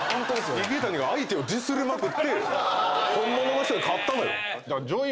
池谷が相手をディスりまくって本物の人に勝ったのよ。